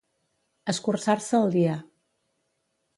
Escurçar-se el dia.